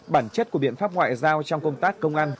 bản chất của biện pháp ngoại giao trong công tác công an